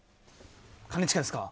兼近ですか。